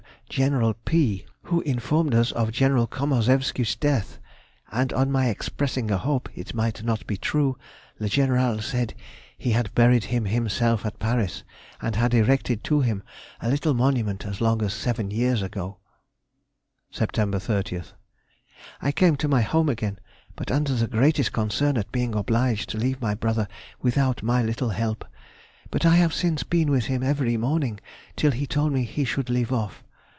General P., who informed us of General Komarzewsky's death, and on my expressing a hope it might not be true, le Général said he had buried him himself at Paris, and had erected to him a little monument as long as seven years ago. [Sidenote: 1815 16. Extracts from Diary.] Sept. 30th.—I came to my home again, but under the greatest concern at being obliged to leave my brother without my little help. But I have since been with him every morning till he told me he should leave off.